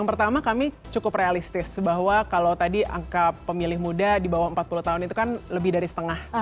pertama kami cukup realistis bahwa kalau tadi angka pemilih muda di bawah empat puluh tahun itu kan lebih dari setengah